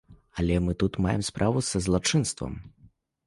Але мы тут маем справу з злачынствам.